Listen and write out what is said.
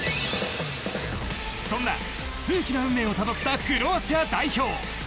そんな数奇な運命をたどったクロアチア代表。